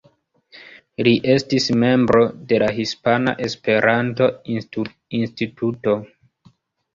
Li estis membro de la Hispana Esperanto-Instituto.